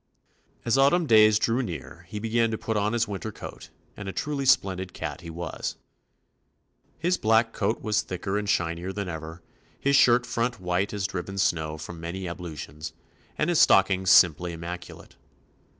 As Autumn days drew near he began to put on his winter coat and a truly splendid cat he was I His black coat was thicker and shinier than ever, his shirt front white as driven snow from many ablutions, and his stock ings simply immaculate.